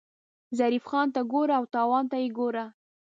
ظریف خان ته ګوره او تاوان ته یې ګوره.